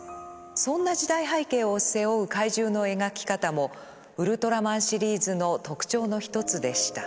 そんな時代背景を背負う怪獣の描き方もウルトラマンシリーズの特徴の一つでした。